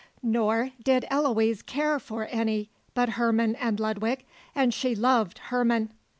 Nor did Eloise care for any but Herman and Ludwig, and she loved Herman.